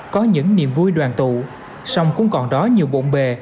có những niềm vui đoàn tụ song cũng còn đó nhiều bộn bề